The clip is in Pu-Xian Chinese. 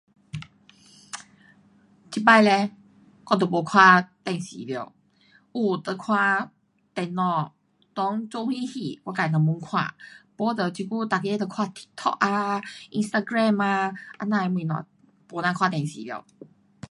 这次嘞我都没看电视了，有就看电脑，内做什戏，我自就焖看，不就这久每个都看 tiktok 啊，instagram 啊，这样的东西。没人看电视了。